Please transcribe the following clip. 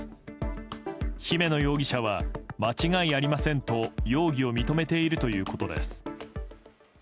姫野容疑者は間違いありませんと容疑を認めているということです。